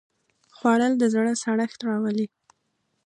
خوړل د زړه سړښت راولي